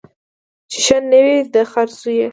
چي ښه نه وي د خره زوی دی